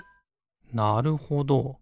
なるほど。